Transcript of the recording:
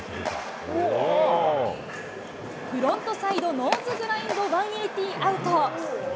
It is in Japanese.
フロントサイドノーズグラインド１８０アウト。